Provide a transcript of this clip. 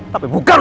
sampai hari datang